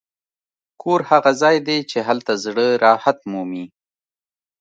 کور هغه ځای دی چې هلته زړه راحت مومي.